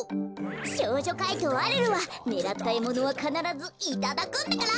少女怪盗アルルはねらったえものはかならずいただくんだから！